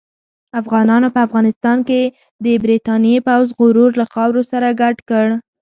افغانانو په افغانستان کې د برتانیې پوځ غرور له خاورو سره ګډ کړ.